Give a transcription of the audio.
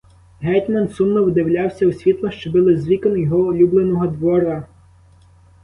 Гетьман сумно вдивлявся у світла, що били з вікон його улюбленого двора.